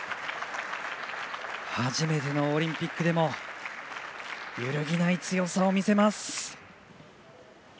初めてのオリンピックでも揺るぎない強さを見せます。